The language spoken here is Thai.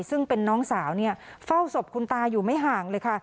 ซึ่งเป็นน้องสาวเฝ้าศพคุณตาอยู่ไม่ห่างเลยค่ะ